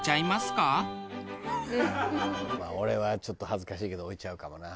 俺はちょっと恥ずかしいけど置いちゃうかもな。